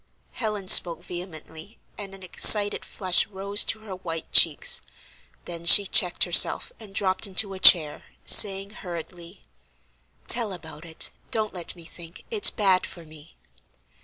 Helen spoke vehemently and an excited flush rose to her white cheeks; then she checked herself and dropped into a chair, saying, hurriedly: "Tell about it: don't let me think; it's bad for me."